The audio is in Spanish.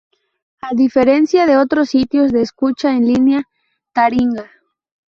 A diferencia de otros sitios de escucha en línea, Taringa!